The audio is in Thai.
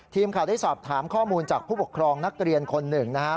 ทีมข่าวได้สอบถามข้อมูลจากผู้ปกครองนักเรียนคนหนึ่งนะครับ